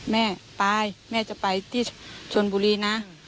แม่ไปแม่จะไปที่ชนบุรีนะ